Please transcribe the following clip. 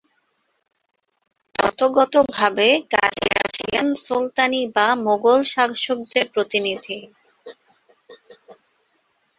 তত্ত্বগতভাবে কাজীরা ছিলেন সুলতানি বা মুগল শাসকদের প্রতিনিধি।